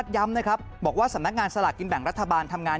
ย้ำนะครับบอกว่าสำนักงานสลากกินแบ่งรัฐบาลทำงาน